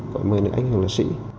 của một mươi người anh hùng liệt sĩ